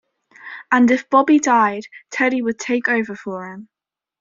And if Bobby died, Teddy would take over for him.